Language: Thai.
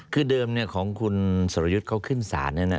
คือเดิมของคุณสอยุทธเขาขึ้นศาลเนี่ยนะ